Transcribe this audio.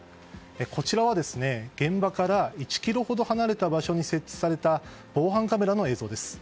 こちらは現場から１ｋｍほど離れた場所に設置された防犯カメラの映像です。